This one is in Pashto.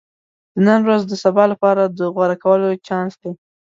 • د نن ورځ د سبا لپاره د غوره کولو چانس دی.